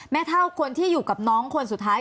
เท่าคนที่อยู่กับน้องคนสุดท้าย